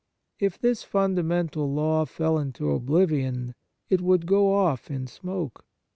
If this funda mental law fell into oblivion, it would go off in smoke.